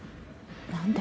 何で？